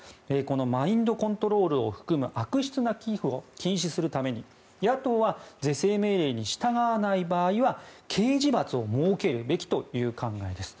マインドコントロールを含む悪質な寄付を禁止するために野党は是正命令に従わない場合は刑事罰を設けるべきという考えです。